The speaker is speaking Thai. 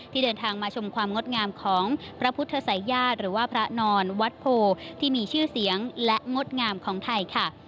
เดินทางมาชมความงดงามของพระพุทธศัยญาติหรือว่าพระนอนวัดโพที่มีชื่อเสียงและงดงามของไทยค่ะ